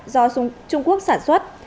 do trung quốc sản xuất